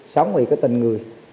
sống vì cái tình người